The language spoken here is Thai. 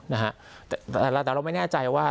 แต่เราไม่แน่ใจว่า